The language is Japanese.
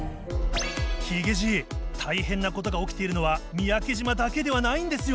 ヒゲじい大変なことが起きているのは三宅島だけではないんですよ。